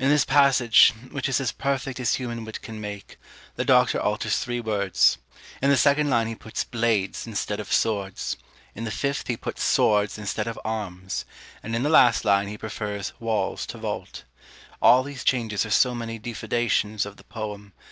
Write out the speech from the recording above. In this passage, which is as perfect as human wit can make, the Doctor alters three words. In the second line he puts blades instead of swords; in the fifth he puts swords instead of arms; and in the last line he prefers walls to vault. All these changes are so many defoedations of the poem.